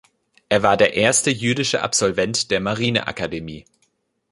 Er war der erste jüdische Absolvent der Marineakademie.